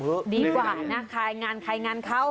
ดีกว่านาคายงานให้ทางคาญงานเขา